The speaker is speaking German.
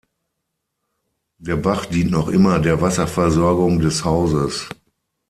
Der Bach dient noch immer der Wasserversorgung des Hauses.